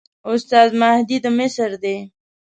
استاد مهدي د مصر دی.